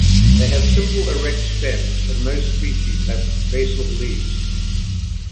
They have simple erect stems, and most species have basal leaves.